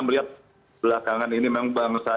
melihat belakangan ini memang bangsa